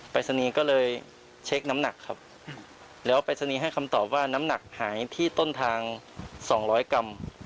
รายศนีย์ก็เลยเช็คน้ำหนักครับแล้วปรายศนีย์ให้คำตอบว่าน้ำหนักหายที่ต้นทาง๒๐๐กรัม